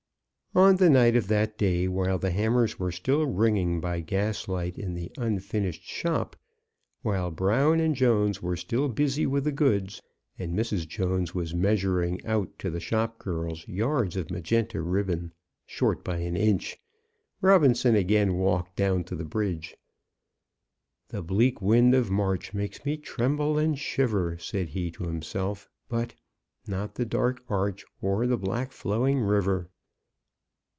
On the night of that day, while the hammers were still ringing by gaslight in the unfinished shop; while Brown and Jones were still busy with the goods, and Mrs. Jones was measuring out to the shop girls yards of Magenta ribbon, short by an inch, Robinson again walked down to the bridge. "The bleak wind of March makes me tremble and shiver," said he to himself; "but, 'Not the dark arch or the black flowing river.'"